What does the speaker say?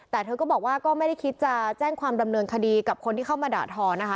แต่เธอก็บอกว่าก็ไม่ได้คิดจะแจ้งความดำเนินคดีกับคนที่เข้ามาด่าทอนะคะ